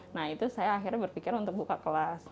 nah itu saya akhirnya berpikir untuk buka kelas